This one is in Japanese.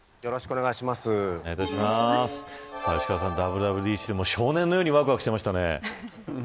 石川さんＷＷＤＣで少年のようにわくわくしてましたね。